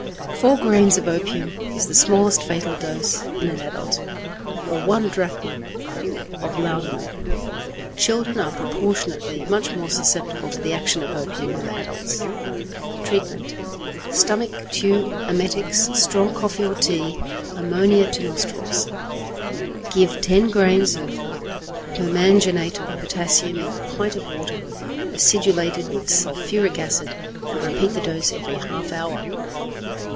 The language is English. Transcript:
_ Four grains of opium is the smallest fatal dose in an adult, or one drachm of laudanum; children are proportionately much more susceptible to the action of opium than adults. Treatment. Stomach tube, emetics, strong coffee or tea, ammonia to nostrils. Give 10 grains of permanganate of potassium in a pint of water acidulated with sulphuric acid, and repeat the dose every half hour.